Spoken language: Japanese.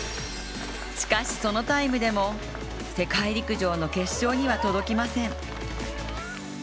しかし、そのタイムでも世界陸上の決勝には届きません。